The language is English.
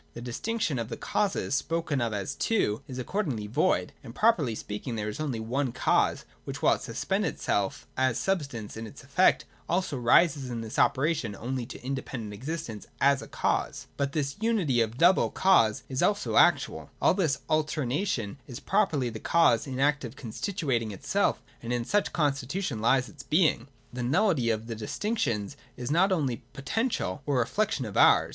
The dis tinction of the causes spoken of as two is accordingly void : and properly speaking there is only one cause, which, while it suspends itself (as substance) in its effect, also rises in this operation only to independent exist ence as a cause. 156.] But this unity of the double cause is also (/3) actual. All this alternation is properly the cause in act of constituting itself and in such constitution lies its being. The nullity of the distinctions is not only po tential, or a reflection of ours (§ 155).